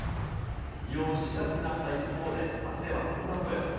利用しやすくなった一方で、街ではこんな声も。